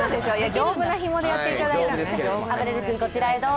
丈夫なひもでやっていただいた。